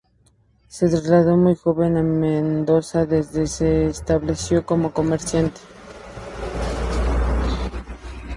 Se trasladó muy joven a Mendoza, donde se estableció como comerciante.